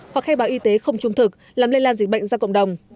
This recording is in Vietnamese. hoặc khai báo y tế không trung thực làm lây lan dịch bệnh ra cộng đồng